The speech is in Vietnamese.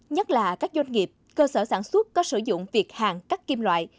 nhất là các doanh nghiệp cơ sở sản xuất có sử dụng việc hàng cắt kim loại